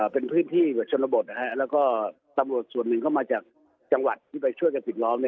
เป็นพื้นที่กับชนบทแล้วก็ตำรวจส่วนหนึ่งเข้ามาจากจังหวัดที่ไปช่วยกันปิดล้อม